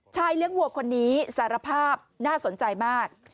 เลี้ยงวัวคนนี้สารภาพน่าสนใจมาก